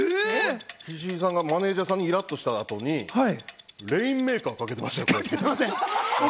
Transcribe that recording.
岸井さんがマネージャーにイラッとした後に、レインメーカーをかけてました。